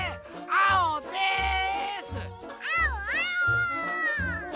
あおあお！